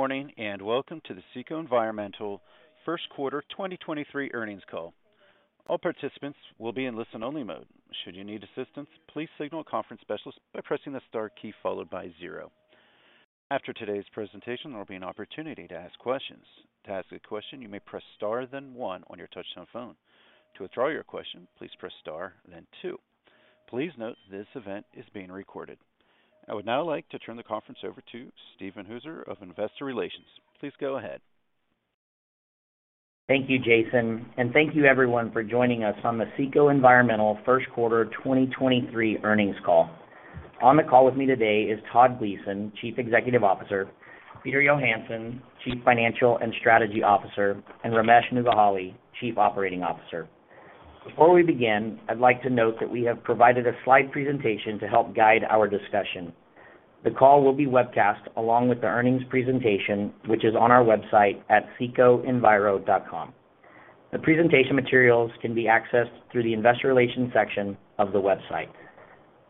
Morning. Welcome to the CECO Environmental 1st quarter 2023 earnings call. All participants will be in listen-only mode. Should you need assistance, please signal a conference specialist by pressing the Star key followed by 0. After today's presentation, there will be an opportunity to ask questions. To ask a question, you may press Star then 1 on your touchtone phone. To withdraw your question, please press Star then 2. Please note this event is being recorded. I would now like to turn the conference over to Steven Hooser of Investor Relations. Please go ahead. Thank you, Jason. Thank you everyone for joining us on the CECO Environmental first quarter 2023 earnings call. On the call with me today is Todd Gleason, Chief Executive Officer, Peter Johansson, Chief Financial and Strategy Officer, and Ramesh Nuggihalli, Chief Operating Officer. Before we begin, I'd like to note that we have provided a slide presentation to help guide our discussion. The call will be webcast along with the earnings presentation, which is on our website at cecoenviro.com. The presentation materials can be accessed through the Investor Relations section of the website.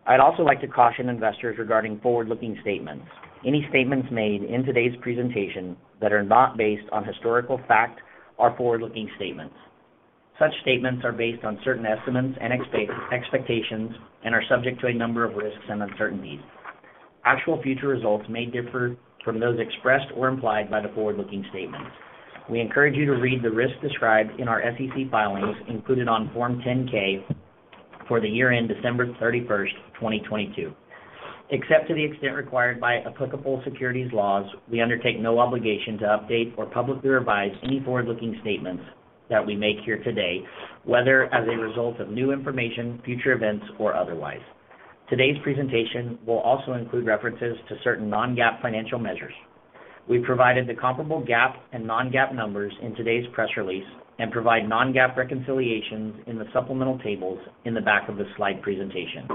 I'd also like to caution investors regarding forward-looking statements. Any statements made in today's presentation that are not based on historical fact are forward-looking statements. Such statements are based on certain estimates and expectations and are subject to a number of risks and uncertainties. Actual future results may differ from those expressed or implied by the forward-looking statements. We encourage you to read the risks described in our SEC filings included on Form 10-K for the year-end December 31st, 2022. Except to the extent required by applicable securities laws, we undertake no obligation to update or publicly revise any forward-looking statements that we make here today, whether as a result of new information, future events or otherwise. Today's presentation will also include references to certain non-GAAP financial measures. We've provided the comparable GAAP and non-GAAP numbers in today's press release and provide non-GAAP reconciliations in the supplemental tables in the back of the slide presentation.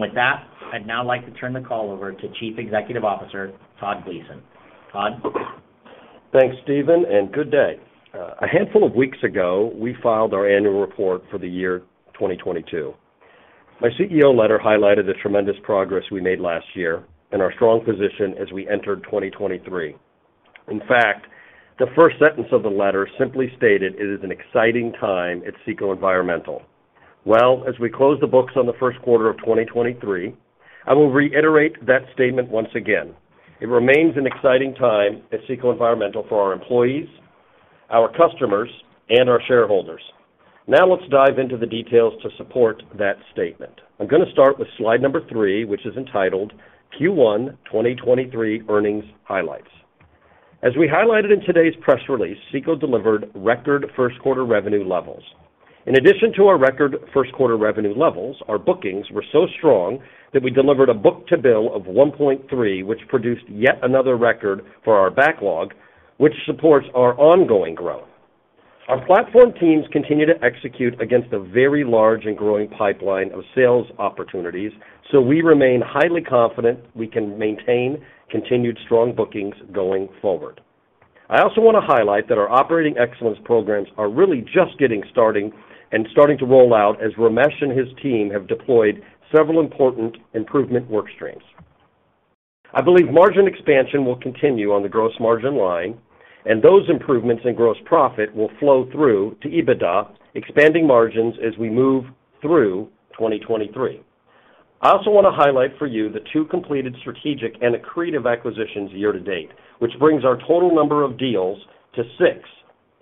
With that, I'd now like to turn the call over to Chief Executive Officer, Todd Gleason. Todd? Thanks, Steven. Good day. A handful of weeks ago, we filed our annual report for the year 2022. My CEO letter highlighted the tremendous progress we made last year and our strong position as we entered 2023. In fact, the first sentence of the letter simply stated, "It is an exciting time at CECO Environmental." Well, as we close the books on the first quarter of 2023, I will reiterate that statement once again. It remains an exciting time at CECO Environmental for our employees, our customers and our shareholders. Let's dive into the details to support that statement. I'm gonna start with slide number 3, which is entitled Q1 2023 Earnings Highlights. As we highlighted in today's press release, CECO delivered record first quarter revenue levels. In addition to our record first quarter revenue levels, our bookings were so strong that we delivered a book-to-bill of 1.3, which produced yet another record for our backlog, which supports our ongoing growth. Our platform teams continue to execute against a very large and growing pipeline of sales opportunities, so we remain highly confident we can maintain continued strong bookings going forward. I also wanna highlight that our operating excellence programs are really just starting to roll out as Ramesh and his team have deployed several important improvement work streams. I believe margin expansion will continue on the gross margin line, and those improvements in gross profit will flow through to EBITDA, expanding margins as we move through 2023. I also wanna highlight for you the two completed strategic and accretive acquisitions year to date, which brings our total number of deals to six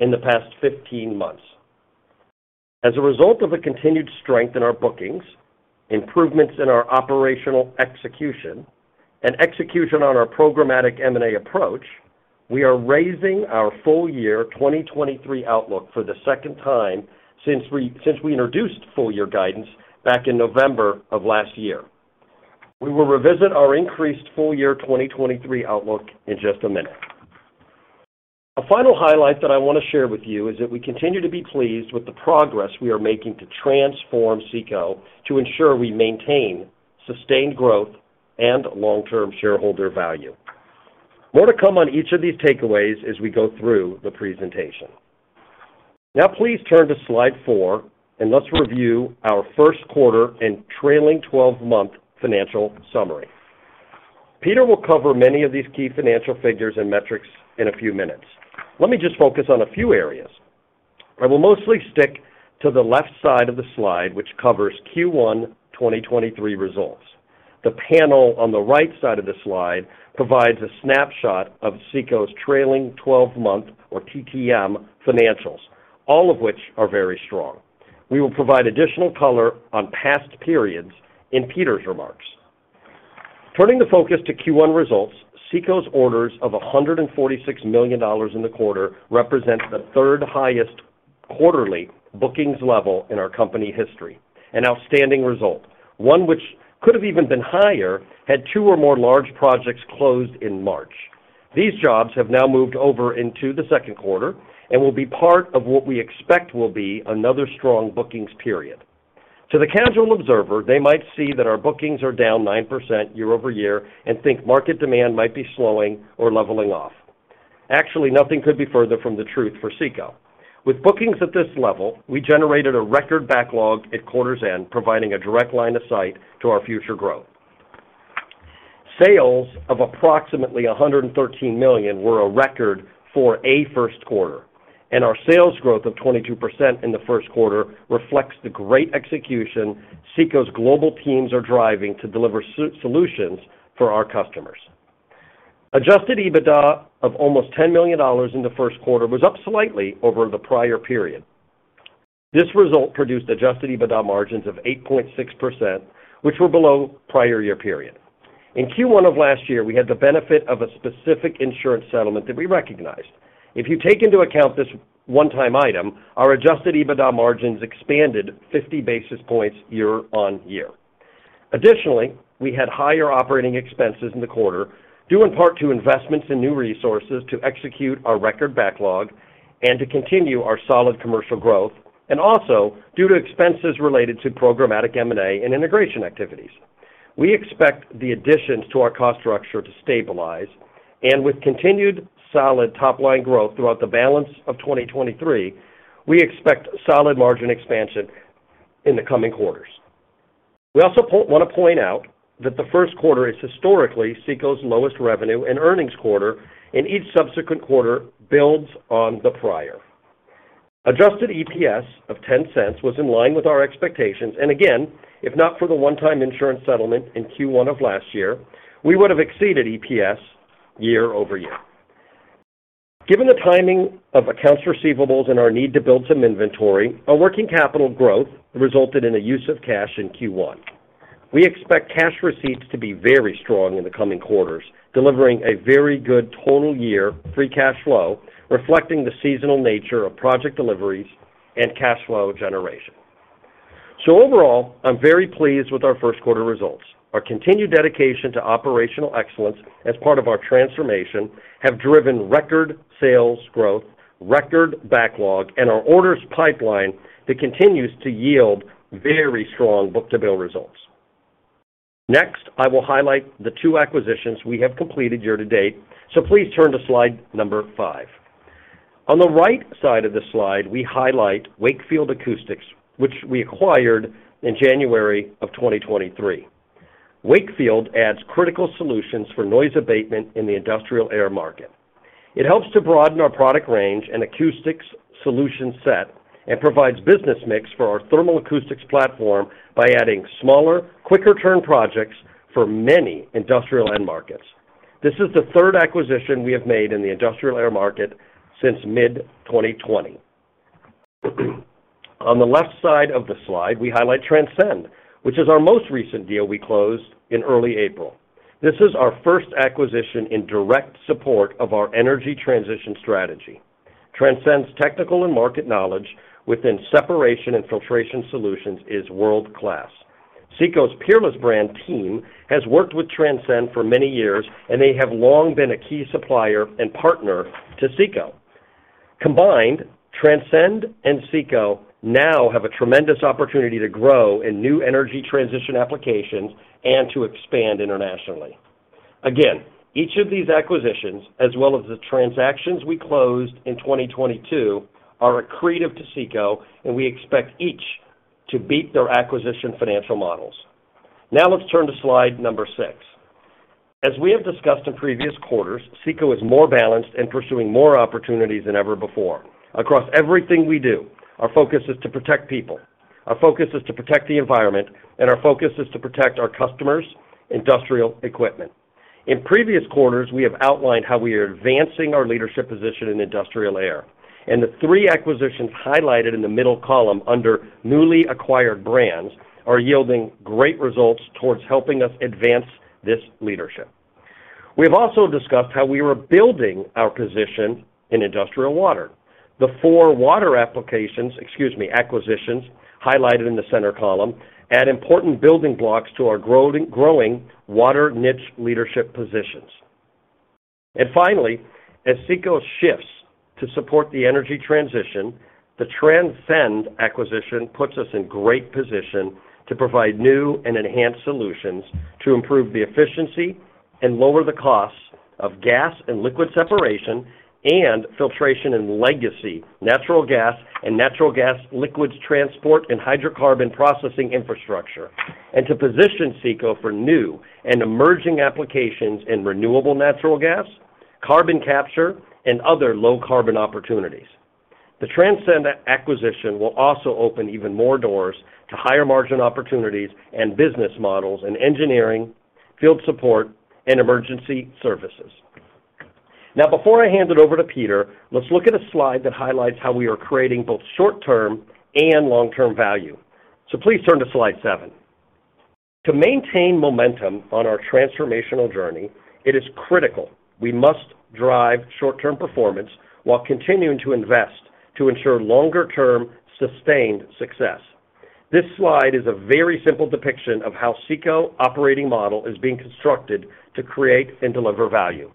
in the past 15 months. As a result of the continued strength in our bookings, improvements in our operational execution, and execution on our programmatic M&A approach, we are raising our full year 2023 outlook for the second time since we introduced full year guidance back in November of last year. We will revisit our increased full year 2023 outlook in just a minute. A final highlight that I wanna share with you is that we continue to be pleased with the progress we are making to transform CECO to ensure we maintain sustained growth and long-term shareholder value. More to come on each of these takeaways as we go through the presentation. Now please turn to slide 4 and let's review our first quarter and trailing twelve-month financial summary. Peter will cover many of these key financial figures and metrics in a few minutes. Let me just focus on a few areas. I will mostly stick to the left side of the slide, which covers Q1 2023 results. The panel on the right side of the slide provides a snapshot of CECO's trailing twelve-month, or TTM, financials, all of which are very strong. We will provide additional color on past periods in Peter's remarks. Turning the focus to Q1 results, CECO's orders of $146 million in the quarter represent the third highest quarterly bookings level in our company history, an outstanding result. One which could have even been higher had 2 or more large projects closed in March. These jobs have now moved over into the second quarter and will be part of what we expect will be another strong bookings period. To the casual observer, they might see that our bookings are down 9% year-over-year and think market demand might be slowing or leveling off. Actually, nothing could be further from the truth for CECO. With bookings at this level, we generated a record backlog at quarter's end, providing a direct line of sight to our future growth. Sales of approximately $113 million were a record for a first quarter, and our sales growth of 22% in the first quarter reflects the great execution CECO's global teams are driving to deliver solutions for our customers. Adjusted EBITDA of almost $10 million in the first quarter was up slightly over the prior period. This result produced adjusted EBITDA margins of 8.6%, which were below prior year period. In Q1 of last year, we had the benefit of a specific insurance settlement that we recognized. If you take into account this one-time item, our adjusted EBITDA margins expanded 50 basis points year-on-year. We had higher operating expenses in the quarter, due in part to investments in new resources to execute our record backlog and to continue our solid commercial growth, and also due to expenses related to programmatic M&A and integration activities. We expect the additions to our cost structure to stabilize, with continued solid top-line growth throughout the balance of 2023, we expect solid margin expansion in the coming quarters. We also wanna point out that the first quarter is historically CECO's lowest revenue and earnings quarter, each subsequent quarter builds on the prior. Adjusted EPS of $0.10 was in line with our expectations. Again, if not for the one-time insurance settlement in Q1 of last year, we would have exceeded EPS year-over-year. Given the timing of accounts receivables and our need to build some inventory, our working capital growth resulted in a use of cash in Q1. We expect cash receipts to be very strong in the coming quarters, delivering a very good total year free cash flow, reflecting the seasonal nature of project deliveries and cash flow generation. Overall, I'm very pleased with our first quarter results. Our continued dedication to operational excellence as part of our transformation have driven record sales growth, record backlog, and our orders pipeline that continues to yield very strong book-to-bill results. Next, I will highlight the two acquisitions we have completed year-to-date. Please turn to slide number 5. On the right side of the slide, we highlight Wakefield Acoustics, which we acquired in January 2023. Wakefield adds critical solutions for noise abatement in the industrial air market. It helps to broaden our product range and acoustics solution set, and provides business mix for our thermal acoustics platform by adding smaller, quicker turn projects for many industrial end markets. This is the third acquisition we have made in the industrial air market since mid-2020. On the left side of the slide, we highlight Transcend, which is our most recent deal we closed in early April. This is our first acquisition in direct support of our energy transition strategy. Transcend's technical and market knowledge within separation and filtration solutions is world-class. CECO's Peerless brand team has worked with Transcend for many years, and they have long been a key supplier and partner to CECO. Combined, Transcend and CECO now have a tremendous opportunity to grow in new energy transition applications and to expand internationally. Each of these acquisitions, as well as the transactions we closed in 2022, are accretive to CECO, and we expect each to beat their acquisition financial models. Let's turn to slide number 6. As we have discussed in previous quarters, CECO is more balanced and pursuing more opportunities than ever before. Across everything we do, our focus is to protect people, our focus is to protect the environment, and our focus is to protect our customers' industrial equipment. In previous quarters, we have outlined how we are advancing our leadership position in industrial air, and the three acquisitions highlighted in the middle column under newly acquired brands are yielding great results towards helping us advance this leadership. We have also discussed how we were building our position in industrial water. The four water applications, excuse me, acquisitions highlighted in the center column add important building blocks to our growing water niche leadership positions. Finally, as CECO shifts to support the energy transition, the Transcend acquisition puts us in great position to provide new and enhanced solutions to improve the efficiency and lower the costs of gas and liquid separation and filtration in legacy natural gas and natural gas liquids transport and hydrocarbon processing infrastructure, and to position CECO for new and emerging applications in renewable natural gas, carbon capture, and other low carbon opportunities. The Transcend acquisition will also open even more doors to higher margin opportunities and business models in engineering, field support, and emergency services. Before I hand it over to Peter, let's look at a slide that highlights how we are creating both short-term and long-term value. Please turn to slide 7. To maintain momentum on our transformational journey, it is critical we must drive short-term performance while continuing to invest to ensure longer-term sustained success. This slide is a very simple depiction of how CECO operating model is being constructed to create and deliver value.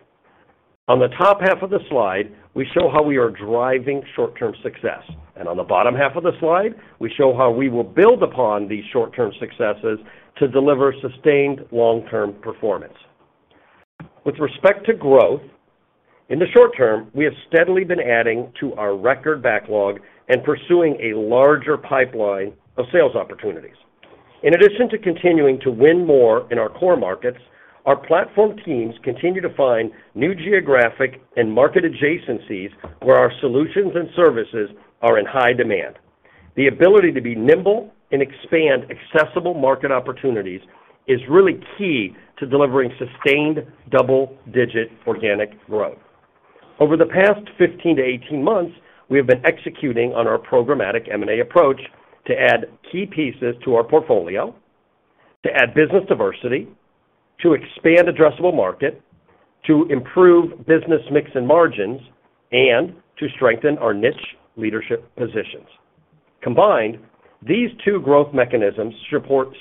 On the top half of the slide, we show how we are driving short-term success. On the bottom half of the slide, we show how we will build upon these short-term successes to deliver sustained long-term performance. With respect to growth, in the short term, we have steadily been adding to our record backlog and pursuing a larger pipeline of sales opportunities. In addition to continuing to win more in our core markets, our platform teams continue to find new geographic and market adjacencies where our solutions and services are in high demand. The ability to be nimble and expand accessible market opportunities is really key to delivering sustained double-digit organic growth. Over the past 15 to 18 months, we have been executing on our programmatic M&A approach to add key pieces to our portfolio, to add business diversity, to expand addressable market, to improve business mix and margins, and to strengthen our niche leadership positions. Combined, these two growth mechanisms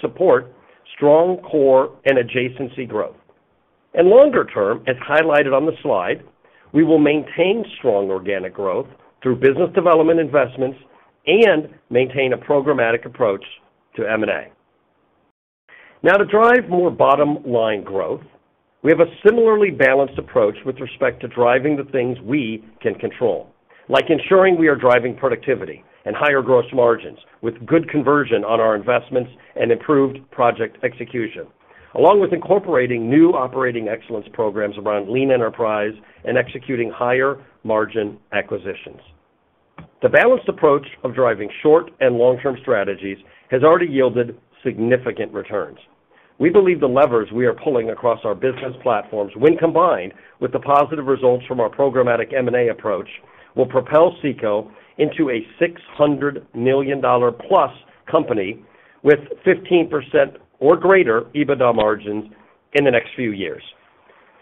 support strong core and adjacency growth. Longer term, as highlighted on the slide, we will maintain strong organic growth through business development investments and maintain a programmatic approach to M&A. To drive more bottom-line growth, we have a similarly balanced approach with respect to driving the things we can control, like ensuring we are driving productivity and higher gross margins with good conversion on our investments and improved project execution, along with incorporating new operating excellence programs around lean enterprise and executing higher margin acquisitions. The balanced approach of driving short and long-term strategies has already yielded significant returns. We believe the levers we are pulling across our business platforms, when combined with the positive results from our programmatic M&A approach, will propel CECO into a $600 million+ company with 15% or greater EBITDA margins in the next few years.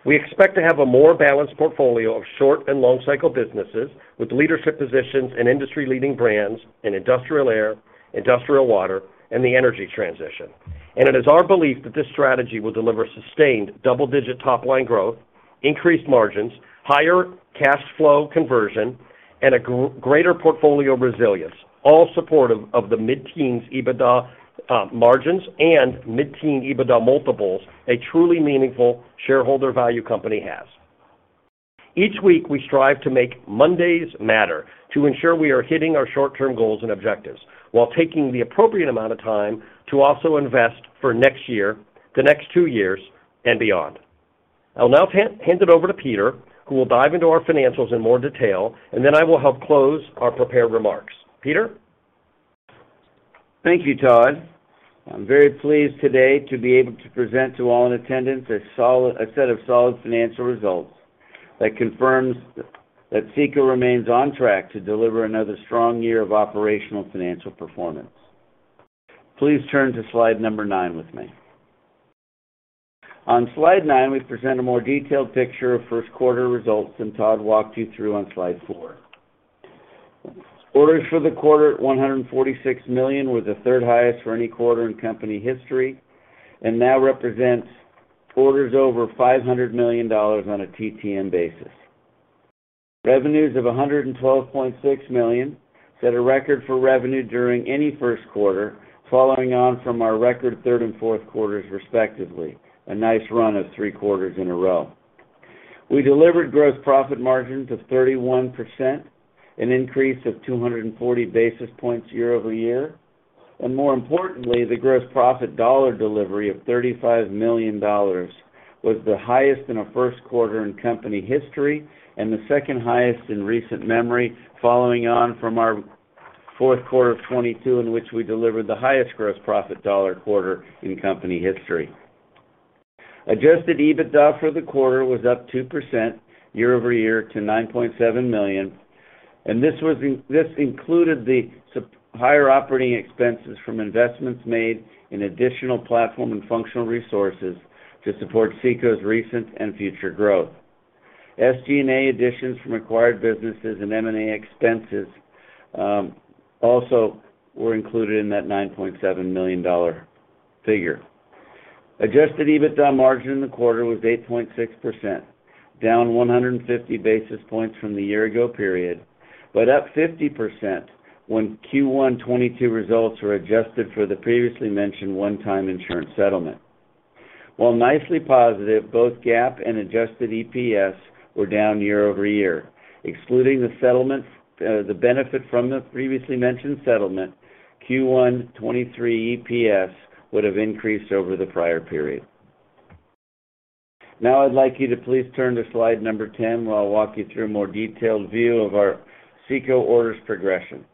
We expect to have a more balanced portfolio of short and long cycle businesses with leadership positions and industry-leading brands in industrial air, industrial water, and the energy transition. It is our belief that this strategy will deliver sustained double-digit top line growth, increased margins, higher cash flow conversion, and a greater portfolio resilience, all supportive of the mid-teens EBITDA margins and mid-teen EBITDA multiples a truly meaningful shareholder value company has. Each week, we strive to make Mondays matter to ensure we are hitting our short-term goals and objectives while taking the appropriate amount of time to also invest for next year, the next 2 years, and beyond. I'll now hand it over to Peter, who will dive into our financials in more detail, and then I will help close our prepared remarks. Peter? Thank you, Todd. I'm very pleased today to be able to present to all in attendance a set of solid financial results that confirms that CECO remains on track to deliver another strong year of operational financial performance. Please turn to slide number 9 with me. On slide 9, we present a more detailed picture of first quarter results than Todd walked you through on slide 4. Orders for the quarter at $146 million were the third highest for any quarter in company history and now represents orders over $500 million on a TTM basis. Revenues of $112.6 million set a record for revenue during any first quarter, following on from our record third and fourth quarters, respectively. A nice run of three quarters in a row. We delivered gross profit margins of 31%, an increase of 240 basis points year-over-year. More importantly, the gross profit dollar delivery of $35 million was the highest in our first quarter in company history and the second highest in recent memory, following on from our fourth quarter of 2022, in which we delivered the highest gross profit dollar quarter in company history. adjusted EBITDA for the quarter was up 2% year-over-year to $9.7 million. This included higher operating expenses from investments made in additional platform and functional resources to support CECO's recent and future growth. SG&A additions from acquired businesses and M&A expenses also were included in that $9.7 million figure. Adjusted EBITDA margin in the quarter was 8.6%, down 150 basis points from the year-ago period, but up 50% when Q1 2022 results were adjusted for the previously mentioned one-time insurance settlement. While nicely positive, both GAAP and adjusted EPS were down year-over-year. Excluding the settlement, the benefit from the previously mentioned settlement, Q1 2023 EPS would have increased over the prior period. I'd like you to please turn to slide number 10, where I'll walk you through a more detailed view of our CECO orders progression.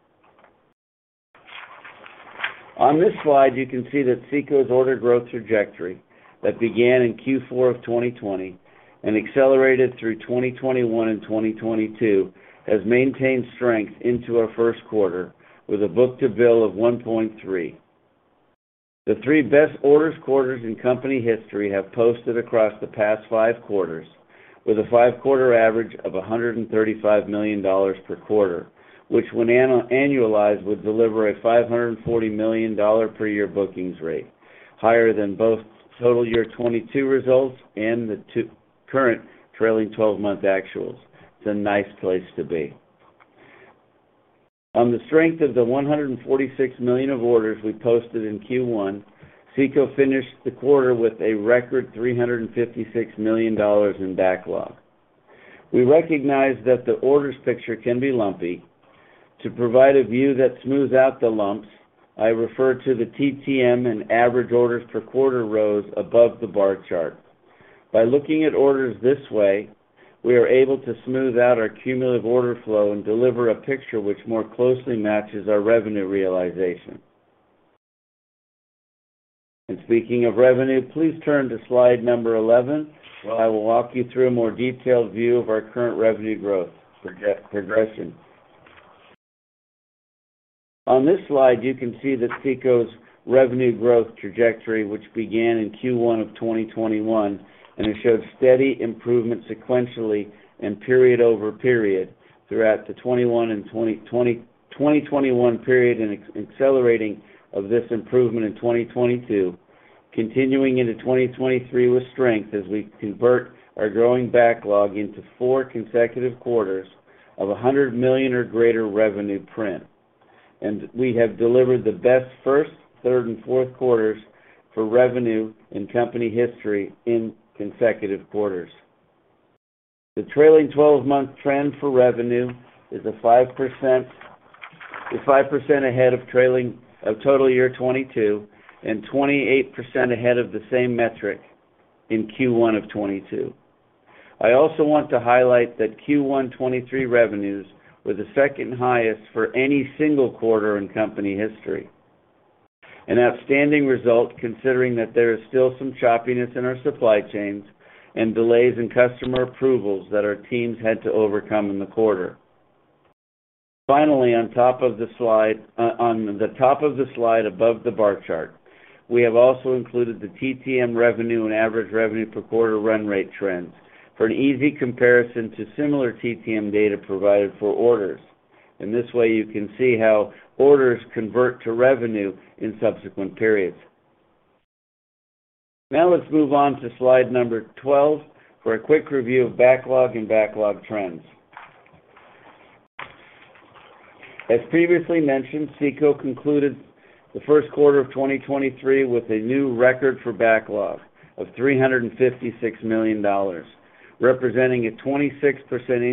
On this slide, you can see that CECO's order growth trajectory that began in Q4 2020 and accelerated through 2021 and 2022 has maintained strength into our first quarter with a book-to-bill of 1.3. The three best orders quarters in company history have posted across the past five quarters with a five-quarter average of $135 million per quarter, which when annualized, would deliver a $540 million per year bookings rate, higher than both total year 2022 results and the current trailing twelve-month actuals. It's a nice place to be. On the strength of the $146 million of orders we posted in Q1, CECO finished the quarter with a record $356 million in backlog. We recognize that the orders picture can be lumpy. To provide a view that smooths out the lumps, I refer to the TTM and average orders per quarter rows above the bar chart. By looking at orders this way, we are able to smooth out our cumulative order flow and deliver a picture which more closely matches our revenue realization. Speaking of revenue, please turn to slide 11, where I will walk you through a more detailed view of our current revenue growth progression. On this slide, you can see that CECO's revenue growth trajectory, which began in Q1 of 2021, it showed steady improvement sequentially and period-over-period throughout the 2021 period, accelerating of this improvement in 2022, continuing into 2023 with strength as we convert our growing backlog into four consecutive quarters of a $100 million or greater revenue trend. We have delivered the best first, third, and fourth quarters for revenue in company history in consecutive quarters. The trailing 12-month trend for revenue is 5% ahead of total year 2022 and 28% ahead of the same metric in Q1 of 2022. I also want to highlight that Q1 2023 revenues were the second highest for any single quarter in company history. An outstanding result considering that there is still some choppiness in our supply chains and delays in customer approvals that our teams had to overcome in the quarter. On the top of the slide above the bar chart, we have also included the TTM revenue and average revenue per quarter run rate trends for an easy comparison to similar TTM data provided for orders. In this way, you can see how orders convert to revenue in subsequent periods. Let's move on to slide number 12 for a quick review of backlog and backlog trends. As previously mentioned, CECO concluded the first quarter of 2023 with a new record for backlog of $356 million, representing a 26%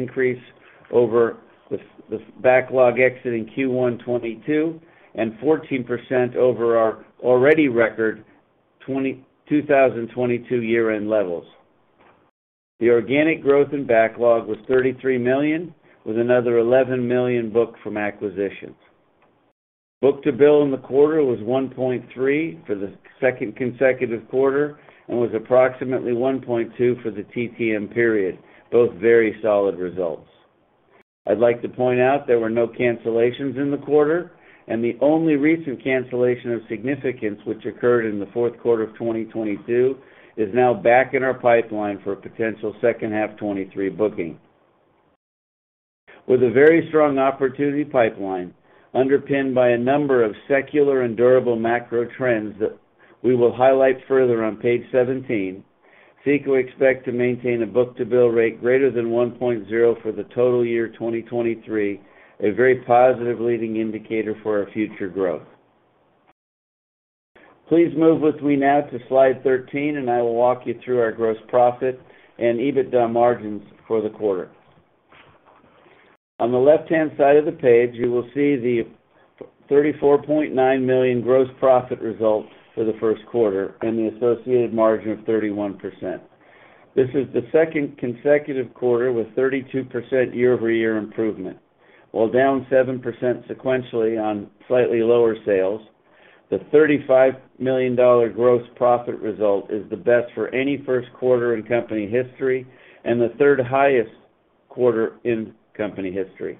increase over the backlog exit in Q1 22 and 14% over our already record 2022 year-end levels. The organic growth in backlog was $33 million, with another $11 million booked from acquisitions. Book-to-bill in the quarter was 1.3 for the second consecutive quarter and was approximately 1.2 for the TTM period, both very solid results. I'd like to point out there were no cancellations in the quarter, and the only recent cancellation of significance, which occurred in the fourth quarter of 2022, is now back in our pipeline for a potential second half 23 booking. With a very strong opportunity pipeline underpinned by a number of secular and durable macro trends that we will highlight further on page 17, CECO expect to maintain a book-to-bill rate greater than 1.0 for the total year 2023, a very positive leading indicator for our future growth. Please move with me now to slide 13. I will walk you through our gross profit and EBITDA margins for the quarter. On the left-hand side of the page, you will see the $34.9 million gross profit results for the first quarter and the associated margin of 31%. This is the second consecutive quarter with 32% year-over-year improvement. While down 7% sequentially on slightly lower sales, the $35 million gross profit result is the best for any first quarter in company history and the third highest quarter in company history,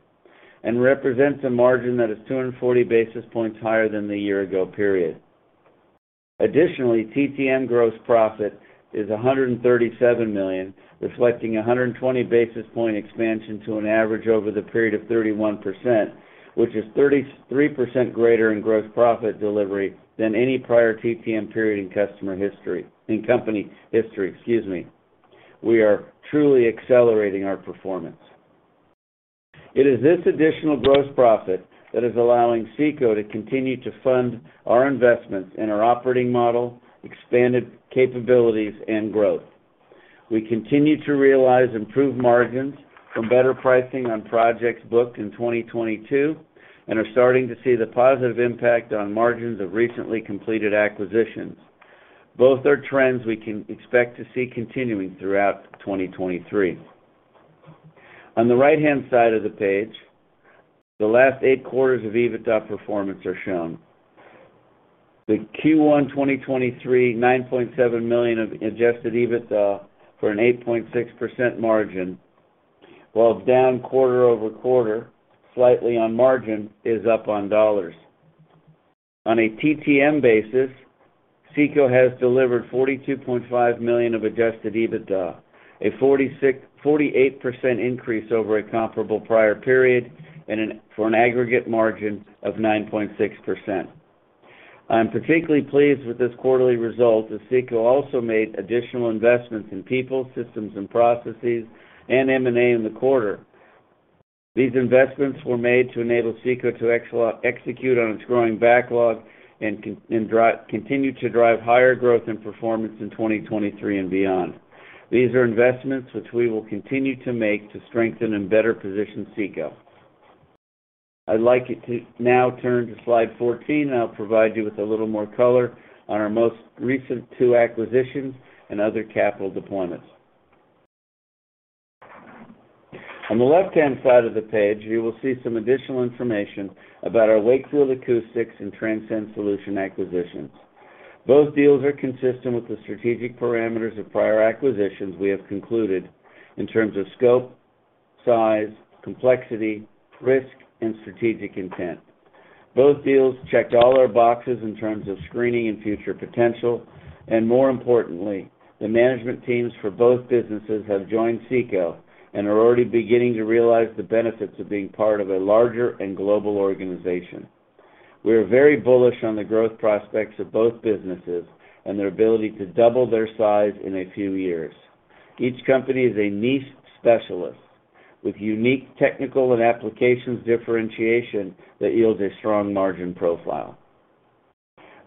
and represents a margin that is 240 basis points higher than the year-ago period. Additionally, TTM gross profit is $137 million, reflecting a 120 basis point expansion to an average over the period of 31%, which is 33% greater in gross profit delivery than any prior TTM period in company history, excuse me. We are truly accelerating our performance. It is this additional gross profit that is allowing CECO to continue to fund our investments in our operating model, expanded capabilities, and growth. We continue to realize improved margins from better pricing on projects booked in 2022 and are starting to see the positive impact on margins of recently completed acquisitions. Both are trends we can expect to see continuing throughout 2023. On the right-hand side of the page, the last eight quarters of EBITDA performance are shown. The Q1 2023, $9.7 million of adjusted EBITDA for an 8.6% margin, while down quarter-over-quarter, slightly on margin, is up on dollars. On a TTM basis, CECO has delivered $42.5 million of adjusted EBITDA, a 48% increase over a comparable prior period for an aggregate margin of 9.6%. I'm particularly pleased with this quarterly result, as CECO also made additional investments in people, systems, and processes, and M&A in the quarter. These investments were made to enable CECO to execute on its growing backlog and continue to drive higher growth and performance in 2023 and beyond. These are investments which we will continue to make to strengthen and better position CECO. I'd like you to now turn to slide 14, and I'll provide you with a little more color on our most recent two acquisitions and other capital deployments. On the left-hand side of the page, you will see some additional information about our Wakefield Acoustics and Transcend Solutions acquisitions. Both deals are consistent with the strategic parameters of prior acquisitions we have concluded in terms of scope, size, complexity, risk, and strategic intent. Both deals checked all our boxes in terms of screening and future potential. More importantly, the management teams for both businesses have joined CECO and are already beginning to realize the benefits of being part of a larger and global organization. We are very bullish on the growth prospects of both businesses and their ability to double their size in a few years. Each company is a niche specialist with unique technical and applications differentiation that yields a strong margin profile.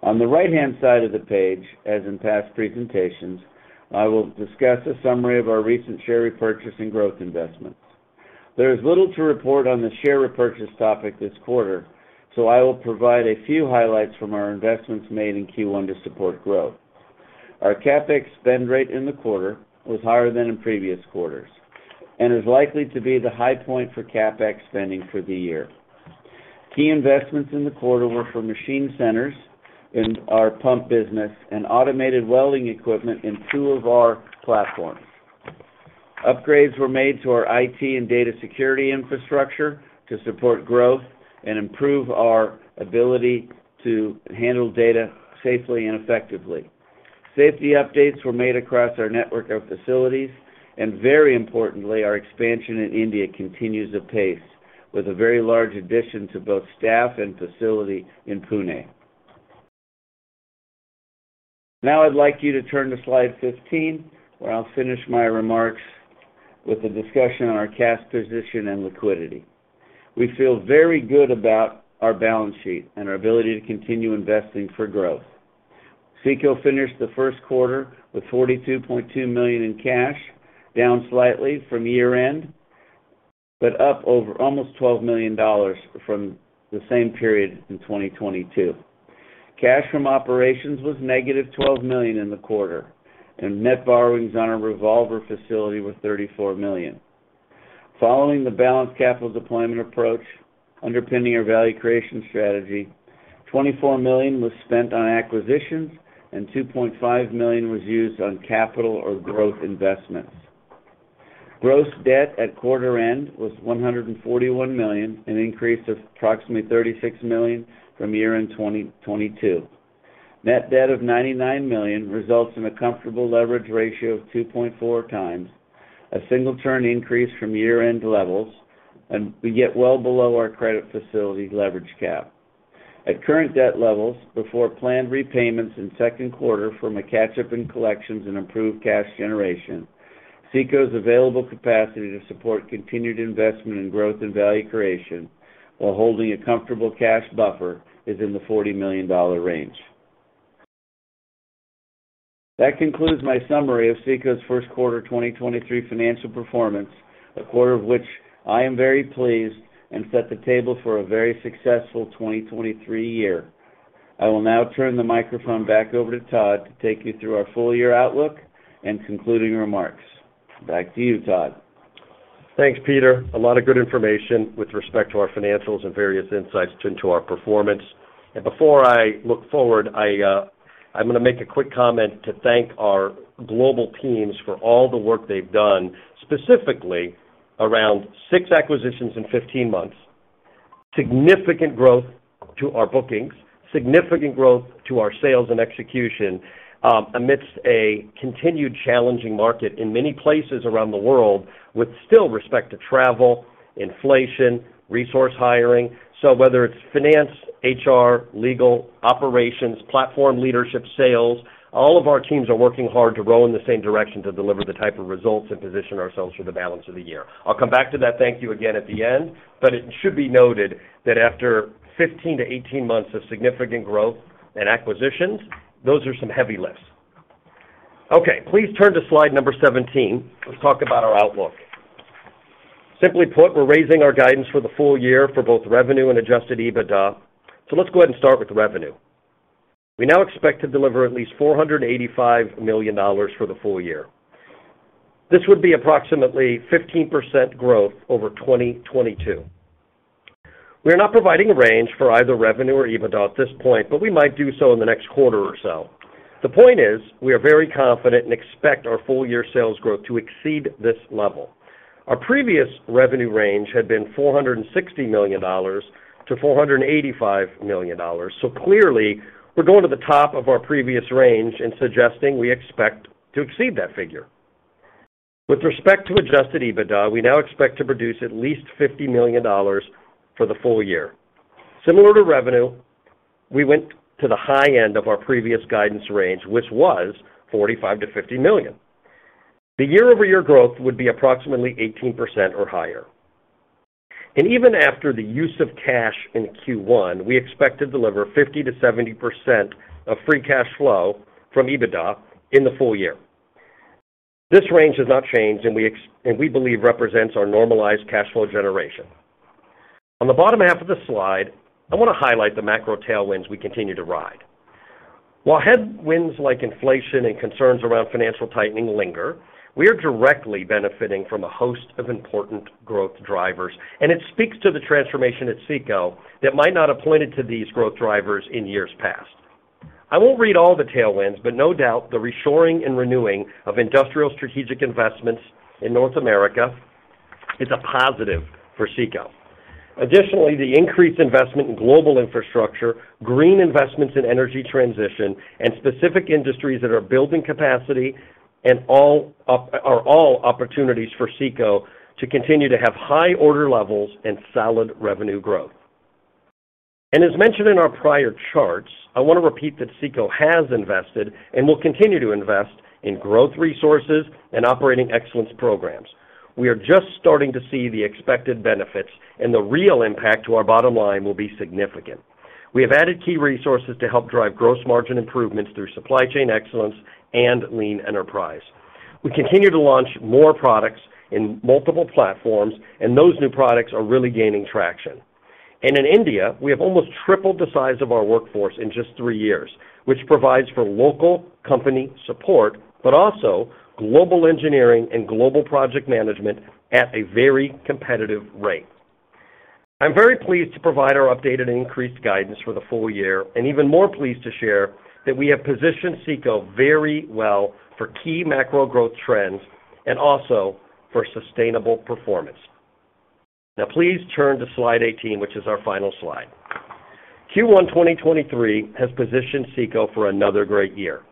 On the right-hand side of the page, as in past presentations, I will discuss a summary of our recent share repurchase and growth investments. There is little to report on the share repurchase topic this quarter. I will provide a few highlights from our investments made in Q1 to support growth. Our CapEx spend rate in the quarter was higher than in previous quarters and is likely to be the high point for CapEx spending for the year. Key investments in the quarter were for machine centers in our pump business and automated welding equipment in two of our platforms. Upgrades were made to our IT and data security infrastructure to support growth and improve our ability to handle data safely and effectively. Safety updates were made across our network of facilities, and very importantly, our expansion in India continues apace with a very large addition to both staff and facility in Pune. Now I'd like you to turn to slide 15, where I'll finish my remarks with a discussion on our cash position and liquidity. We feel very good about our balance sheet and our ability to continue investing for growth. CECO finished the first quarter with $42.2 million in cash, down slightly from year-end, but up over almost $12 million from the same period in 2022. Cash from operations was negative $12 million in the quarter, and net borrowings on our revolver facility were $34 million. Following the balanced capital deployment approach underpinning our value creation strategy, $24 million was spent on acquisitions and $2.5 million was used on capital or growth investments. Gross debt at quarter end was $141 million, an increase of approximately $36 million from year-end 2022. Net debt of $99 million results in a comfortable leverage ratio of 2.4x, a single-turn increase from year-end levels, and we get well below our credit facility leverage cap. At current debt levels, before planned repayments in second quarter from a catch-up in collections and improved cash generation, CECO's available capacity to support continued investment in growth and value creation while holding a comfortable cash buffer is in the $40 million range. That concludes my summary of CECO's first quarter 2023 financial performance, a quarter of which I am very pleased and set the table for a very successful 2023 year. I will now turn the microphone back over to Todd to take you through our full year outlook and concluding remarks. Back to you, Todd. Thanks, Peter. A lot of good information with respect to our financials and various insights into our performance. Before I look forward, I'm gonna make a quick comment to thank our global teams for all the work they've done, specifically around six acquisitions in 15 months, significant growth to our bookings, significant growth to our sales and execution, amidst a continued challenging market in many places around the world, with still respect to travel, inflation, resource hiring. Whether it's finance, HR, legal, operations, platform leadership, sales, all of our teams are working hard to row in the same direction to deliver the type of results and position ourselves for the balance of the year. I'll come back to that thank you again at the end. It should be noted that after 15-18 months of significant growth and acquisitions, those are some heavy lifts. Okay, please turn to slide number 17. Let's talk about our outlook. Simply put, we're raising our guidance for the full year for both revenue and adjusted EBITDA. Let's go ahead and start with revenue. We now expect to deliver at least $485 million for the full year. This would be approximately 15% growth over 2022. We are not providing a range for either revenue or EBITDA at this point, but we might do so in the next quarter or so. The point is, we are very confident and expect our full year sales growth to exceed this level. Our previous revenue range had been $460 million to $485 million. Clearly, we're going to the top of our previous range and suggesting we expect to exceed that figure. With respect to adjusted EBITDA, we now expect to produce at least $50 million for the full year. Similar to revenue, we went to the high end of our previous guidance range, which was $45 million-$50 million. The year-over-year growth would be approximately 18% or higher. Even after the use of cash in Q1, we expect to deliver 50%-70% of free cash flow from EBITDA in the full year. This range has not changed, and we believe represents our normalized cash flow generation. On the bottom half of the slide, I wanna highlight the macro tailwinds we continue to ride. While headwinds like inflation and concerns around financial tightening linger, we are directly benefiting from a host of important growth drivers, it speaks to the transformation at CECO that might not have pointed to these growth drivers in years past. I won't read all the tailwinds, no doubt, the reshoring and renewing of industrial strategic investments in North America is a positive for CECO. Additionally, the increased investment in global infrastructure, green investments in energy transition, and specific industries that are building capacity are all opportunities for CECO to continue to have high order levels and solid revenue growth. As mentioned in our prior charts, I wanna repeat that CECO has invested and will continue to invest in growth resources and operating excellence programs. We are just starting to see the expected benefits, the real impact to our bottom line will be significant. We have added key resources to help drive gross margin improvements through supply chain excellence and lean enterprise. We continue to launch more products in multiple platforms, and those new products are really gaining traction. In India, we have almost tripled the size of our workforce in just 3 years, which provides for local company support, but also global engineering and global project management at a very competitive rate. I'm very pleased to provide our updated and increased guidance for the full year, and even more pleased to share that we have positioned CECO very well for key macro growth trends and also for sustainable performance. Please turn to slide 18, which is our final slide. Q1 2023 has positioned CECO for another great year.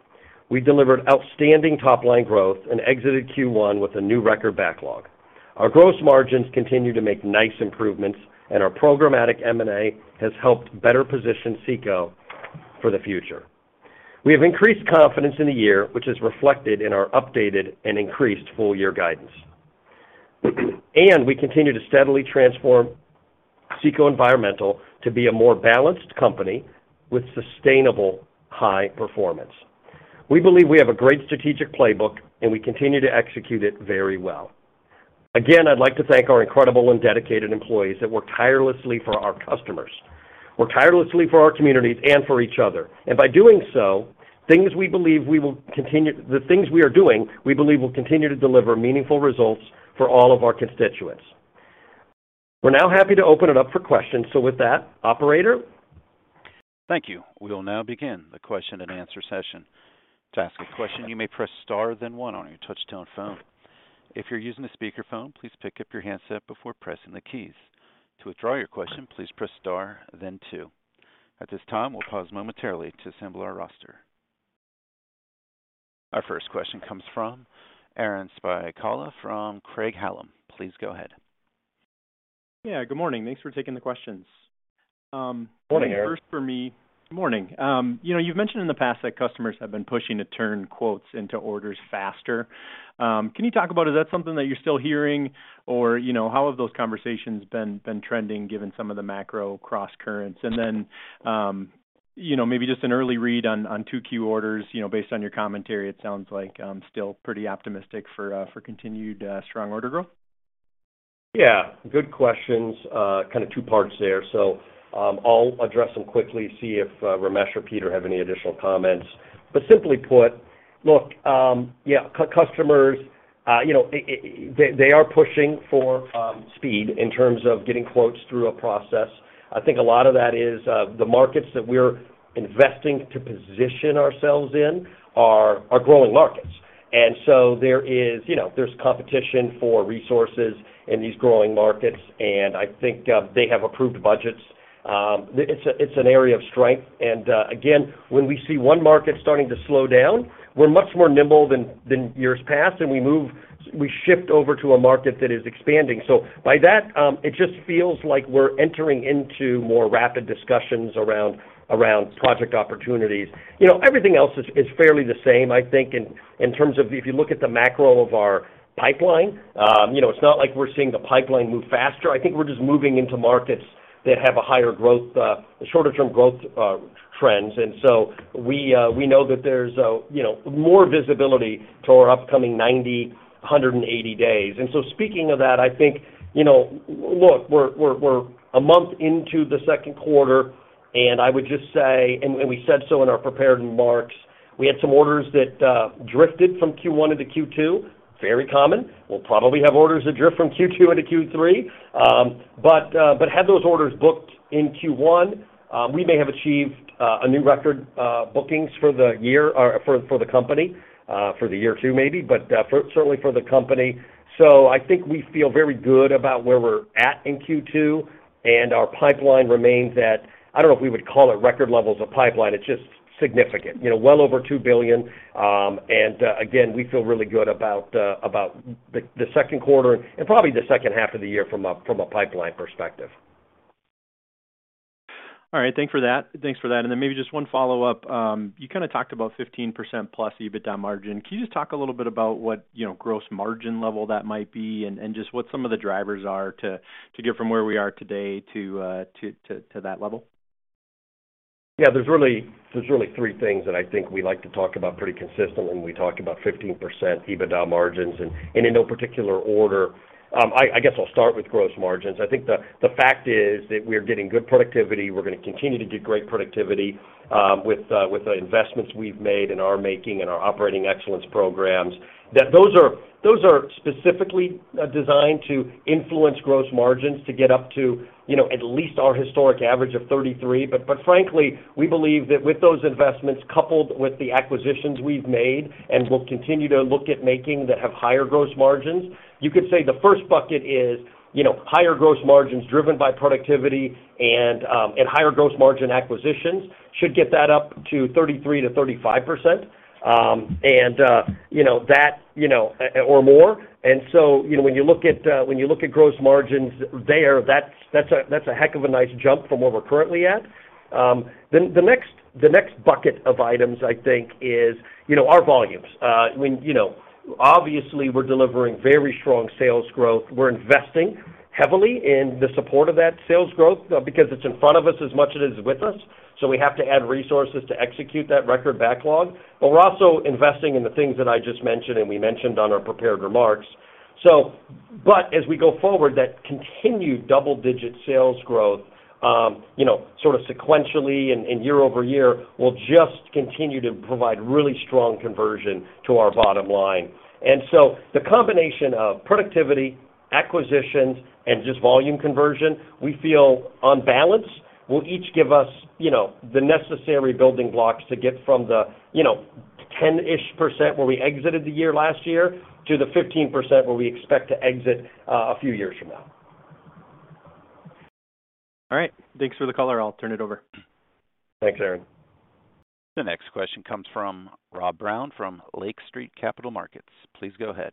We delivered outstanding top line growth and exited Q1 with a new record backlog. Our gross margins continue to make nice improvements, and our programmatic M&A has helped better position CECO for the future. We have increased confidence in the year, which is reflected in our updated and increased full year guidance. We continue to steadily transform CECO Environmental to be a more balanced company with sustainable high performance. We believe we have a great strategic playbook, and we continue to execute it very well. Again, I'd like to thank our incredible and dedicated employees that work tirelessly for our customers, work tirelessly for our communities and for each other. By doing so, the things we are doing, we believe will continue to deliver meaningful results for all of our constituents. We're now happy to open it up for questions. With that, operator? Thank you. We will now begin the question and answer session. To ask a question, you may press star then one on your touchtone phone. If you're using a speakerphone, please pick up your handset before pressing the keys. To withdraw your question, please press star then two. At this time, we'll pause momentarily to assemble our roster. Our first question comes from Aaron Spychalla from Craig-Hallum. Please go ahead. Good morning. Thanks for taking the questions. Morning, Aaron. First for me... Morning. You know, you've mentioned in the past that customers have been pushing to turn quotes into orders faster. Can you talk about is that something that you're still hearing or, you know, how have those conversations been trending given some of the macro crosscurrents? You know, maybe just an early read on 2Q orders. You know, based on your commentary, it sounds like still pretty optimistic for continued strong order growth. Yeah, good questions. kinda two parts there. I'll address them quickly, see if Ramesh or Peter have any additional comments. Simply put, look, yeah, customers, you know, they are pushing for speed in terms of getting quotes through a process. I think a lot of that is the markets that we're investing to position ourselves in are growing markets. There is, you know, there's competition for resources in these growing markets, and I think they have approved budgets. It's an area of strength. Again, when we see one market starting to slow down, we're much more nimble than years past, and we shift over to a market that is expanding. By that, it just feels like we're entering into more rapid discussions around project opportunities. You know, everything else is fairly the same, I think, in terms of if you look at the macro of our pipeline, you know, it's not like we're seeing the pipeline move faster. I think we're just moving into markets that have a higher growth, shorter term growth, trends. We know that there's, you know, more visibility to our upcoming 90, 180 days. Speaking of that, I think, you know, look, we're a month into the second quarter, and I would just say, and we said so in our prepared remarks, we had some orders that drifted from Q1 into Q2. Very common. We'll probably have orders that drift from Q2 into Q3. Had those orders booked in Q1, we may have achieved a new record bookings for the year or for the company, for the year two maybe, but for certainly for the company. I think we feel very good about where we're at in Q2, and our pipeline remains at. I don't know if we would call it record levels of pipeline. It's just significant. You know, well over $2 billion, and again, we feel really good about the second quarter and probably the second half of the year from a pipeline perspective. All right. Thank for that. Thanks for that. Maybe just one follow-up. You kinda talked about 15% plus EBITDA margin. Can you just talk a little bit about what, you know, gross margin level that might be and just what some of the drivers are to get from where we are today to that level? Yeah, there's really three things that I think we like to talk about pretty consistently when we talk about 15% EBITDA margins. In no particular order, I guess I'll start with gross margins. I think the fact is that we're getting good productivity. We're gonna continue to get great productivity with the investments we've made and are making in our operating excellence programs, that those are specifically designed to influence gross margins to get up to, you know, at least our historic average of 33. Frankly, we believe that with those investments, coupled with the acquisitions we've made and will continue to look at making that have higher gross margins, you could say the first bucket is, you know, higher gross margins driven by productivity and higher gross margin acquisitions should get that up to 33%-35%, and, you know, that or more. When you look at gross margins there, that's a heck of a nice jump from where we're currently at. The next bucket of items I think is, you know, our volumes. You know, obviously we're delivering very strong sales growth. We're investing heavily in the support of that sales growth, because it's in front of us as much as it is with us. We have to add resources to execute that record backlog. We're also investing in the things that I just mentioned, and we mentioned on our prepared remarks. As we go forward, that continued double-digit sales growth, you know, sort of sequentially and year-over-year will just continue to provide really strong conversion to our bottom line. The combination of productivity, acquisitions, and just volume conversion, we feel on balance will each give us, you know, the necessary building blocks to get from the, you know, 10-ish% where we exited the year last year to the 15% where we expect to exit, a few years from now. All right. Thanks for the color. I'll turn it over. Thanks, Aaron. The next question comes from Rob Brown from Lake Street Capital Markets. Please go ahead.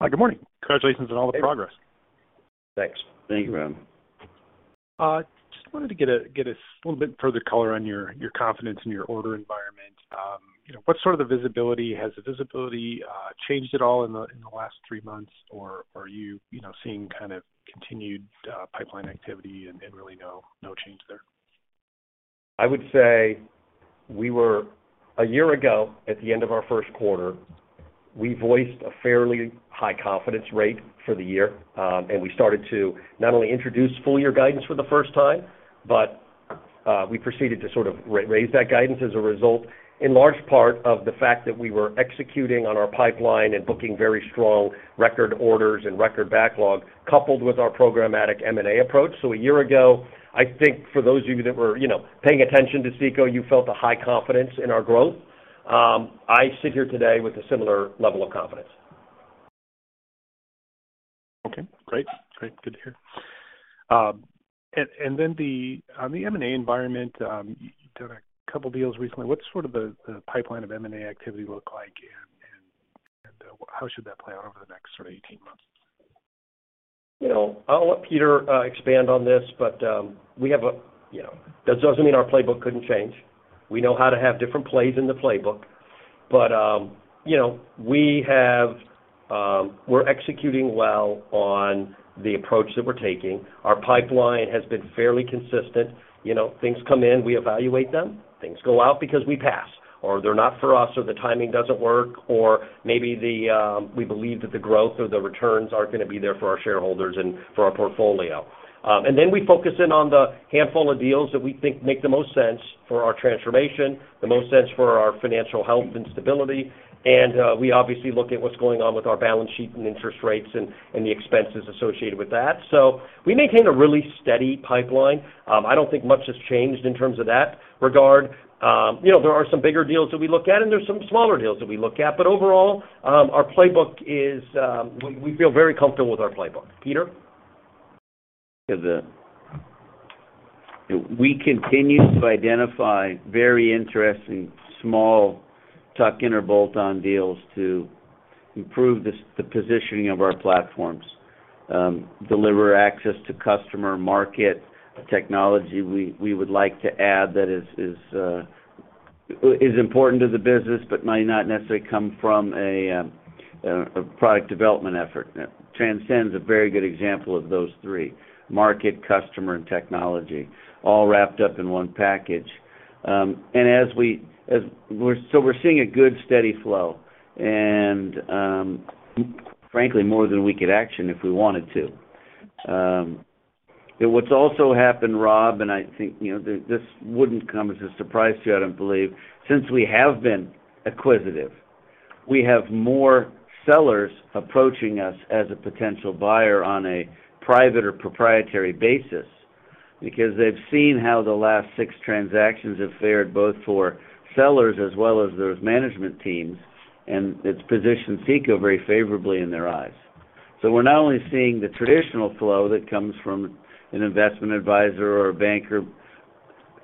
Hi, good morning. Congratulations on all the progress. Thanks. Thank you, Rob. Just wanted to get a little bit further color on your confidence in your order environment. You know, what's sort of the visibility? Has the visibility changed at all in the last three months, or are you know, seeing kind of continued pipeline activity and really no change there? A year ago, at the end of our first quarter, we voiced a fairly high confidence rate for the year. We started to not only introduce full year guidance for the first time, but we proceeded to sort of raise that guidance as a result, in large part of the fact that we were executing on our pipeline and booking very strong record orders and record backlog, coupled with our programmatic M&A approach. A year ago, I think for those of you that were, you know, paying attention to CECO, you felt a high confidence in our growth. I sit here today with a similar level of confidence. Okay, great. Great. Good to hear. on the M&A environment, you've done a couple deals recently. What's sort of the pipeline of M&A activity look like and how should that play out over the next sort of 18 months? You know, I'll let Peter expand on this, but we have a. You know, that doesn't mean our playbook couldn't change. We know how to have different plays in the playbook. You know, we have. We're executing well on the approach that we're taking. Our pipeline has been fairly consistent. You know, things come in, we evaluate them. Things go out because we pass, or they're not for us, or the timing doesn't work, or maybe the, we believe that the growth or the returns aren't gonna be there for our shareholders and for our portfolio. We focus in on the handful of deals that we think make the most sense for our transformation, the most sense for our financial health and stability. We obviously look at what's going on with our balance sheet and interest rates and the expenses associated with that. We maintain a really steady pipeline. I don't think much has changed in terms of that regard. You know, there are some bigger deals that we look at, and there's some smaller deals that we look at. Overall, our playbook is... We feel very comfortable with our playbook. Peter? 'Cause, we continue to identify very interesting small tuck-in or bolt-on deals to improve the positioning of our platforms, deliver access to customer market technology we would like to add that is important to the business but might not necessarily come from a product development effort. Transcend's a very good example of those three, market, customer, and technology, all wrapped up in one package. We're seeing a good steady flow, and, frankly more than we could action if we wanted to. What's also happened, Rob, I think, you know, this wouldn't come as a surprise to you, I don't believe, since we have been acquisitive, we have more sellers approaching us as a potential buyer on a private or proprietary basis. They've seen how the last 6 transactions have fared both for sellers as well as those management teams, and it's positioned CECO very favorably in their eyes. We're not only seeing the traditional flow that comes from an investment advisor or a banker,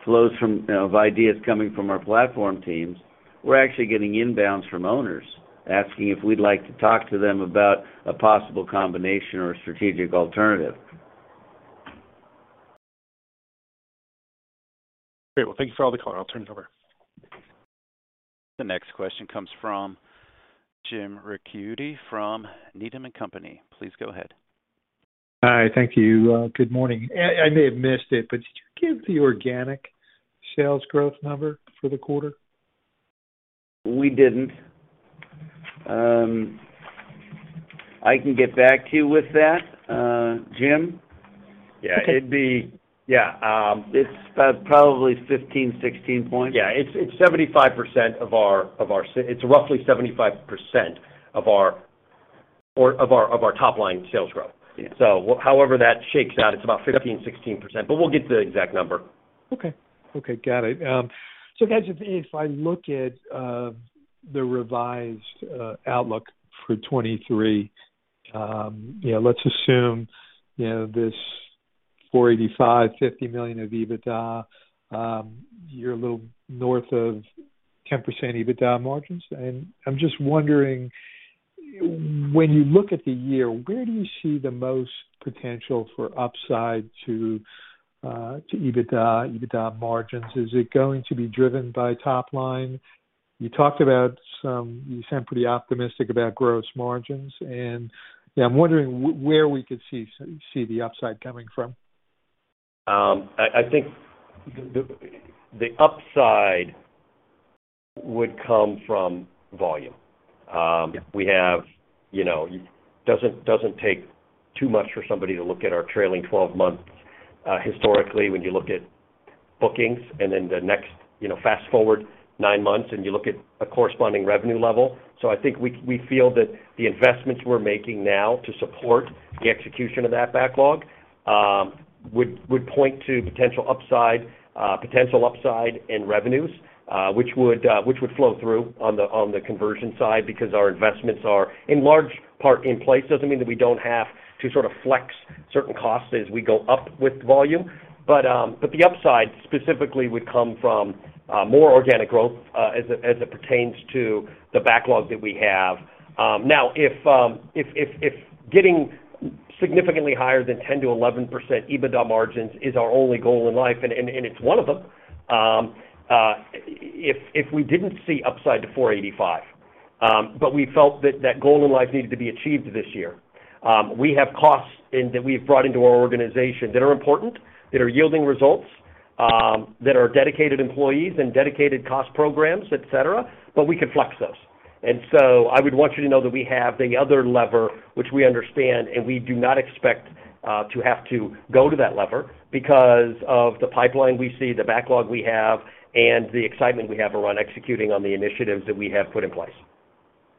flows from, you know, of ideas coming from our platform teams, we're actually getting inbounds from owners asking if we'd like to talk to them about a possible combination or a strategic alternative. Great. Well, thank you for all the color. I'll turn it over. The next question comes from Jim Ricchiuti from Needham & Company. Please go ahead. Hi. Thank you. Good morning. I may have missed it. Did you give the organic sales growth number for the quarter? We didn't. I can get back to you with that, Jim. Yeah. Yeah. It's probably 15, 16 points. Yeah. It's roughly 75% of our top line sales growth. Yeah. However that shakes out, it's about 15%, 16%, but we'll get the exact number. Okay. Okay. Got it. Guys, if I look at the revised outlook for 2023, you know, let's assume, you know, this 485, $50 million of EBITDA, you're a little north of 10% EBITDA margins. I'm just wondering, when you look at the year, where do you see the most potential for upside to EBITDA margins? Is it going to be driven by top line? You talked about some. You sound pretty optimistic about gross margins. Yeah, I'm wondering where we could see the upside coming from. I think the, the upside would come from volume. Yeah. We have, you know. It doesn't take too much for somebody to look at our trailing twelve month, historically when you look at bookings and then the next, you know, fast-forward nine months, and you look at a corresponding revenue level. I think we feel that the investments we're making now to support the execution of that backlog, would point to potential upside in revenues, which would flow through on the conversion side because our investments are, in large part, in place. Doesn't mean that we don't have to sort of flex certain costs as we go up with volume. The upside specifically would come from more organic growth, as it pertains to the backlog that we have. Now, if getting significantly higher than 10%-11% EBITDA margins is our only goal in life, and it's one of them, if we didn't see upside to $485, but we felt that that goal in life needed to be achieved this year, we have costs that we've brought into our organization that are important, that are yielding results, that are dedicated employees and dedicated cost programs, et cetera, but we could flex those. I would want you to know that we have the other lever, which we understand, and we do not expect to have to go to that lever because of the pipeline we see, the backlog we have, and the excitement we have around executing on the initiatives that we have put in place.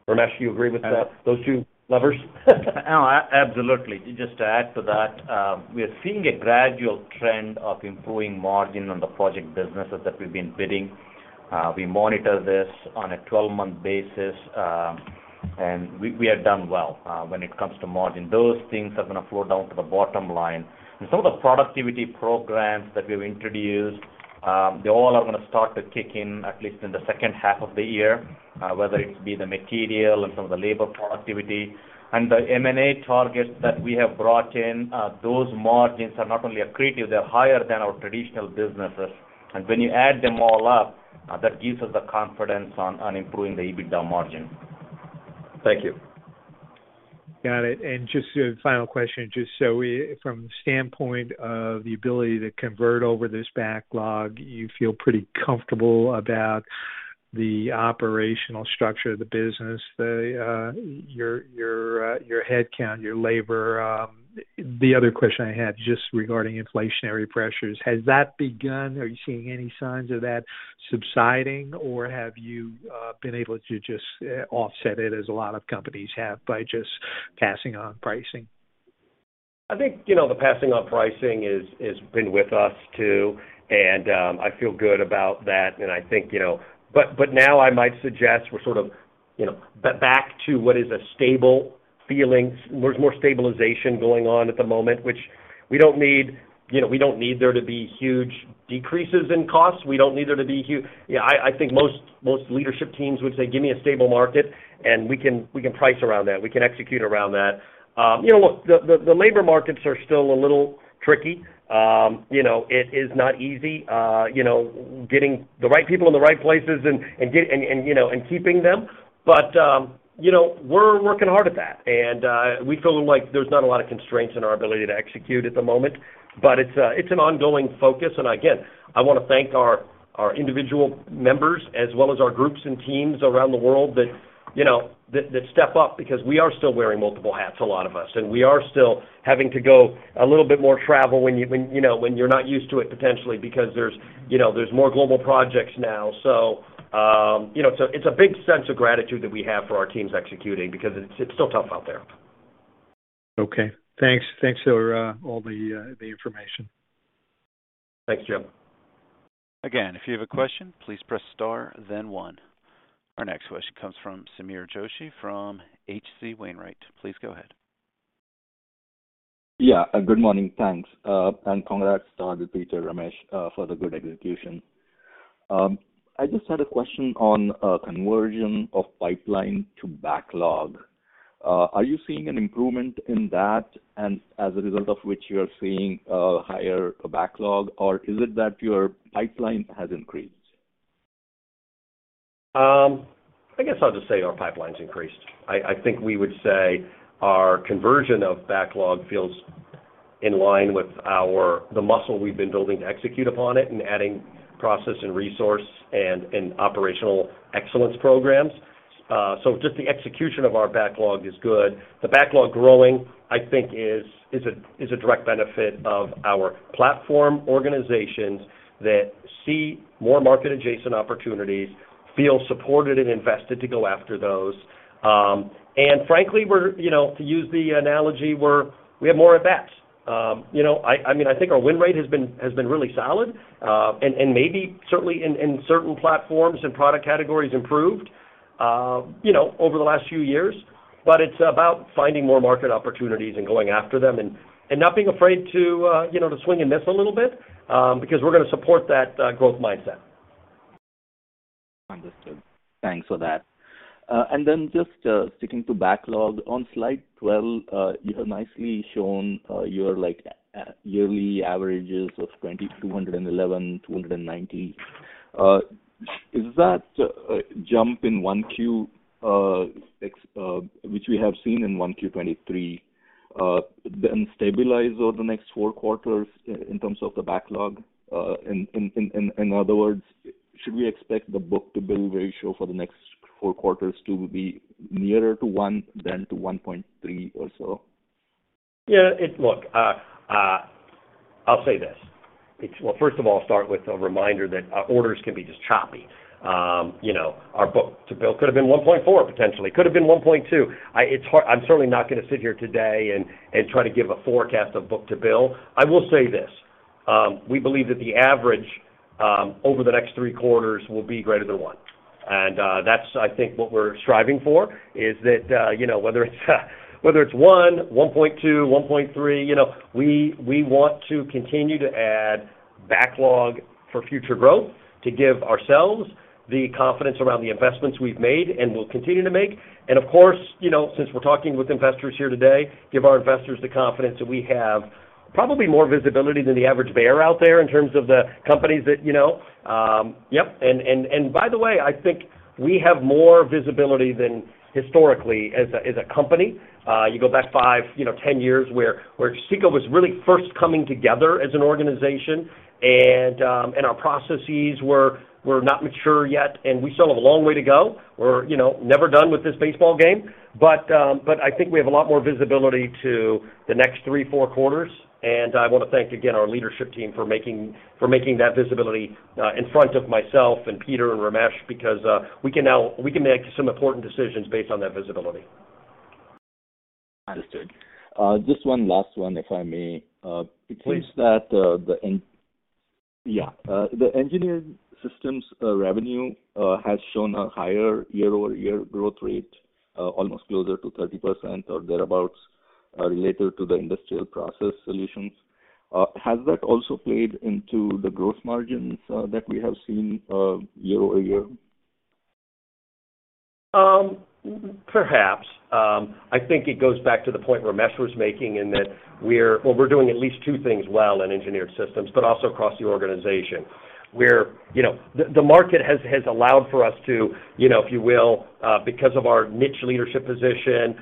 Ramesh, do you agree with that, those two levers? No. Absolutely. Just to add to that, we are seeing a gradual trend of improving margin on the project businesses that we've been bidding. We monitor this on a 12-month basis, and we have done well when it comes to margin. Those things are gonna flow down to the bottom line. Some of the productivity programs that we've introduced, they all are gonna start to kick in at least in the second half of the year, whether it be the material and some of the labor productivity. The M&A targets that we have brought in, those margins are not only accretive, they're higher than our traditional businesses. When you add them all up, that gives us the confidence on improving the EBITDA margin. Thank you. Got it. Just a final question. From the standpoint of the ability to convert over this backlog, you feel pretty comfortable about the operational structure of the business, your headcount, your labor? The other question I had just regarding inflationary pressures, has that begun? Are you seeing any signs of that subsiding, or have you been able to just offset it as a lot of companies have by just passing on pricing? I think, you know, the passing on pricing is been with us too. I feel good about that. I think, you know. Now I might suggest we're sort of, you know, back to what is a stable feeling. There's more stabilization going on at the moment, which we don't need, you know, we don't need there to be huge decreases in costs. We don't need there to be huge. Yeah, I think most leadership teams would say, "Give me a stable market, and we can price around that. We can execute around that." You know what? The labor markets are still a little tricky. You know, it is not easy, you know, getting the right people in the right places and keeping them. You know, we're working hard at that, and we feel like there's not a lot of constraints in our ability to execute at the moment. It's an ongoing focus. Again, I wanna thank our individual members as well as our groups and teams around the world that, you know, that step up because we are still wearing multiple hats, a lot of us. We are still having to go a little bit more travel when, you know, when you're not used to it potentially because there's, you know, there's more global projects now. You know, so it's a big sense of gratitude that we have for our teams executing because it's still tough out there. Okay. Thanks. Thanks for all the information. Thanks, Jim. Again, if you have a question, please press star then one. Our next question comes from Sameer Joshi from H.C. Wainwright. Please go ahead. Yeah. Good morning. Thanks. Congrats to Peter, Ramesh, for the good execution. I just had a question on conversion of pipeline to backlog. Are you seeing an improvement in that and as a result of which you are seeing higher backlog, or is it that your pipeline has increased? I guess I'll just say our pipeline's increased. I think we would say our conversion of backlog feels in line with our... the muscle we've been building to execute upon it and adding process and resource and operational excellence programs. Just the execution of our backlog is good. The backlog growing, I think is a direct benefit of our platform organizations that see more market adjacent opportunities, feel supported and invested to go after those. Frankly, you know, to use the analogy, we have more at-bats. You know, I mean, I think our win rate has been really solid, and maybe certainly in certain platforms and product categories improved, you know, over the last few years. It's about finding more market opportunities and going after them and not being afraid to, you know, to swing and miss a little bit, because we're gonna support that growth mindset. Understood. Thanks for that. Just sticking to backlog. On slide 12, you have nicely shown your, like, yearly averages of 2,211, 290. Is that jump in 1Q, which we have seen in 1Q 2023, then stabilize over the next four quarters in terms of the backlog? In other words, should we expect the book-to-bill ratio for the next four quarters to be nearer to 1 than to 1.3 or so? Yeah. Look, I'll say this. Well, first of all, I'll start with a reminder that orders can be just choppy. You know, our book-to-bill could have been 1.4, potentially. Could have been 1.2. I'm certainly not gonna sit here today and try to give a forecast of book-to-bill. I will say this, we believe that the average over the next three quarters will be greater than one. That's I think what we're striving for is that, you know, whether it's 1.2, 1.3, you know, we want to continue to add backlog for future growth to give ourselves the confidence around the investments we've made and will continue to make. Of course, you know, since we're talking with investors here today, give our investors the confidence that we have probably more visibility than the average bear out there in terms of the companies that, you know. Yep. By the way, I think we have more visibility than historically as a, as a company. You go back five, you know, 10 years where CECO was really first coming together as an organization, and our processes were not mature yet, and we still have a long way to go. We're, you know, never done with this baseball game. I think we have a lot more visibility to the next three, four quarters. I wanna thank again our leadership team for making that visibility in front of myself and Peter and Ramesh because we can make some important decisions based on that visibility. Understood. Just one last one, if I may. Please. It seems that the Engineered Systems revenue has shown a higher year-over-year growth rate, almost closer to 30% or thereabouts, related to the Industrial Process Solutions. Has that also played into the gross margins that we have seen year-over-year? Perhaps. I think it goes back to the point Ramesh was making and that we're doing at least two things well in Engineered Systems, but also across the organization. We're, you know, the market has allowed for us to, if you will, because of our niche leadership position,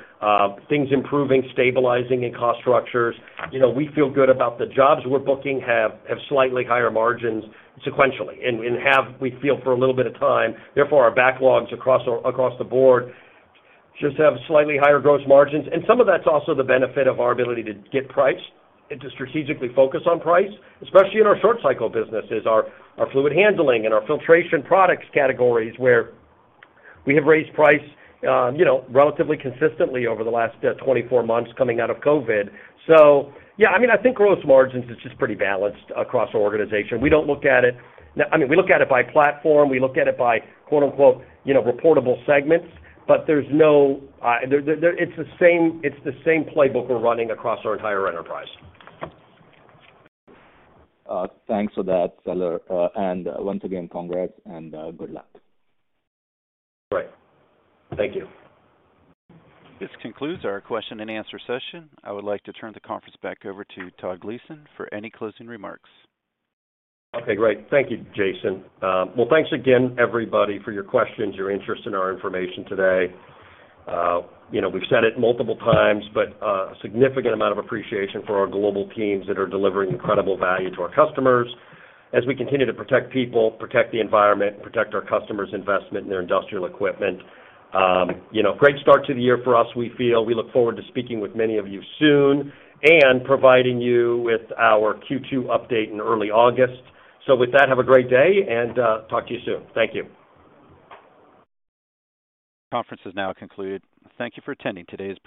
things improving, stabilizing in cost structures. You know, we feel good about the jobs we're booking have slightly higher margins sequentially, and have, we feel, for a little bit of time. Therefore, our backlogs across the board just have slightly higher gross margins. Some of that's also the benefit of our ability to get price and to strategically focus on price, especially in our short cycle businesses, our fluid handling and our filtration products categories, where we have raised price, you know, relatively consistently over the last 24 months coming out of COVID. Yeah, I mean, I think gross margins is just pretty balanced across our organization. We don't look at it. I mean, we look at it by platform, we look at it by, quote-unquote, you know, reportable segments, but there's no, there, it's the same, it's the same playbook we're running across our entire enterprise. Thanks for that, Todd. Once again, congrats and good luck. Great. Thank you. This concludes our question and answer session. I would like to turn the conference back over to Todd Gleason for any closing remarks. Okay, great. Thank you, Jason. Well, thanks again everybody for your questions, your interest in our information today. You know, we've said it multiple times, but significant amount of appreciation for our global teams that are delivering incredible value to our customers as we continue to protect people, protect the environment, protect our customers' investment in their industrial equipment. You know, great start to the year for us, we feel. We look forward to speaking with many of you soon and providing you with our Q2 update in early August. With that, have a great day, and talk to you soon. Thank you. Conference is now concluded. Thank you for attending today's presentation.